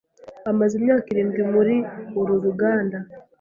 Amaze imyaka irindwi muri uru ruganda